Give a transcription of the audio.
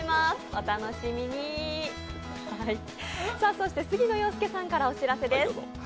そして杉野遥亮さんからお知らせです。